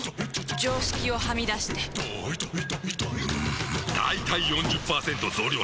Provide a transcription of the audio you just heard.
常識をはみ出してんだいたい ４０％ 増量作戦！